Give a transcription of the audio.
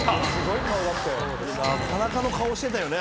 なかなかの顔してたよね。